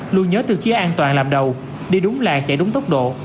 luôn nhớ tiêu chí an toàn làm đầu đi đúng làng chạy đúng tốc độ